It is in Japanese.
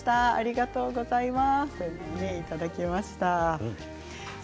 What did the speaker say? ありがとうございます。